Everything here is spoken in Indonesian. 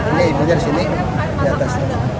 ini ibunya disini di atas